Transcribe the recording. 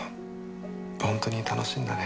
本当に楽しいんだね。